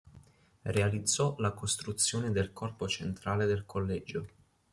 Realizzò la costruzione del corpo centrale del collegio.